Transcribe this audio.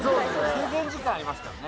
制限時間ありますからね